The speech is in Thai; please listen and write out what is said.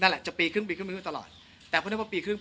นั่นแหละจะปีครึ่งปีครึ่งปีครึ่งตลอดแต่เพราะฉะนั้นพอปีครึ่ง